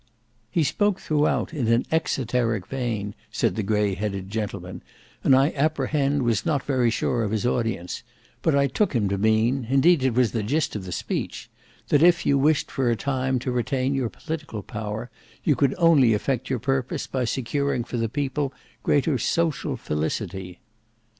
"He spoke throughout in an exoteric vein," said the grey headed gentleman, "and I apprehend was not very sure of his audience; but I took him to mean, indeed it was the gist of the speech, that if you wished for a time to retain your political power, you could only effect your purpose by securing for the people greater social felicity."